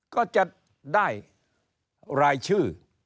ก็จะได้รายชื่อ